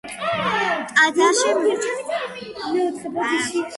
ტაძარში მიმდინარეობდა სარესტავრაციო სამუშაოები.